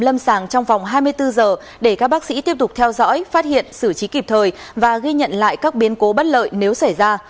lâm sàng trong vòng hai mươi bốn giờ để các bác sĩ tiếp tục theo dõi phát hiện xử trí kịp thời và ghi nhận lại các biến cố bất lợi nếu xảy ra